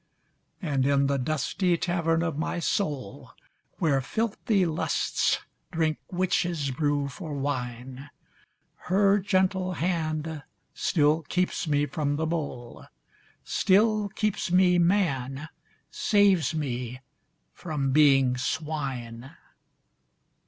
And in the dusty tavern of my soul Where filthy lusts drink witches' brew for wine, Her gentle hand still keeps me from the bowl, Still keeps me man, saves me from being swine.